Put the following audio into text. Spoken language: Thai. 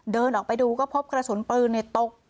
เดินออกไปดูก็พบกระสุนปืนตก